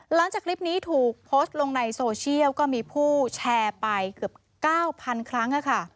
หลังจากคลิปนี้ถูกโพสต์ลงในโซเชียลก็มีผู้แชร์ไปเกือบ๙๐๐ครั้ง